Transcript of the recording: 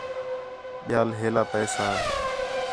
ٻِیال ہیلا پیسہ